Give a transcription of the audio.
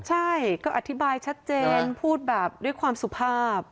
ใช่ก็อธิบายชัดเจนพูดแบบด้วยความสุภาพ